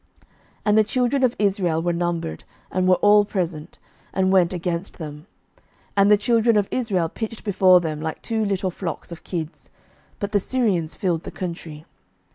11:020:027 And the children of Israel were numbered, and were all present, and went against them: and the children of Israel pitched before them like two little flocks of kids; but the Syrians filled the country.